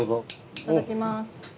いただきます。